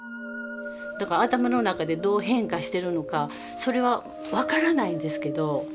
だから頭の中でどう変化してるのかそれは分からないんですけど。